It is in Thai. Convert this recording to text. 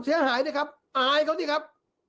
เสียหายด้วยครับอายเขานี่ครับ